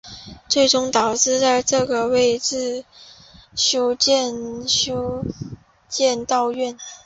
最终导致在那个位置修建修道院。